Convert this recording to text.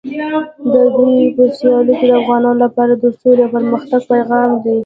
د دوی په سیالیو کې د افغانانو لپاره د سولې او پرمختګ پیغام دی.